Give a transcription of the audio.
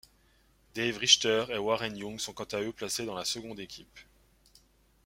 Dave Richter et Warren Young sont quant à eux placés dans la seconde équipe.